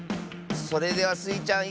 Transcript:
それではスイちゃん